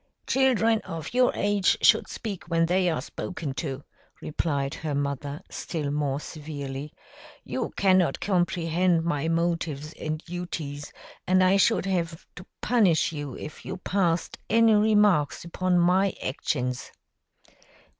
"Children of your age should speak when they are spoken to," replied her mother, still more severely. "You cannot comprehend my motives and duties, and I should have to punish you if you passed any remarks upon my actions."